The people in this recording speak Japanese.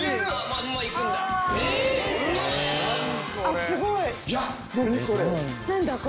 あっすごい。